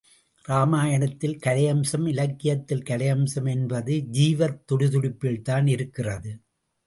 ராமாயணத்தில் கலையம்சம் இலக்கியத்தில் கலையம்சம் என்பது ஜீவத் துடிதுடிப்பில்தான் இருக்கிறது.